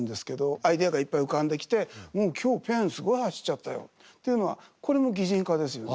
アイデアがいっぱい浮かんできてうん今日ペンすごい走っちゃったよっていうのはこれも擬人化ですよね。